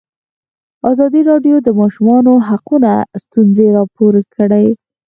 ازادي راډیو د د ماشومانو حقونه ستونزې راپور کړي.